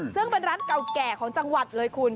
ซึ่งเป็นร้านเก่าแก่ของจังหวัดเลยคุณ